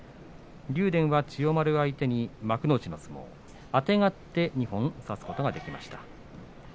竜電は千代丸を相手に幕内の相撲、あてがって二本差すことができました。